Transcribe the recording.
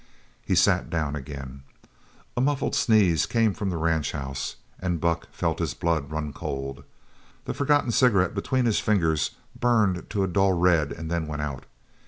He sat down again. A muffled sneeze came from the ranch house and Buck felt his blood run cold. The forgotten cigarette between his fingers burned to a dull red and then went out.